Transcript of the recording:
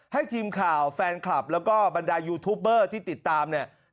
ให้ทีมข่าวแฟนคลับแล้วก็บรรดายูทูปเบอร์ที่ติดตามเนี่ย